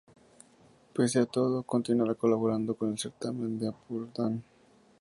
Pese a todo, continuará colaborando con el certamen del Ampurdán.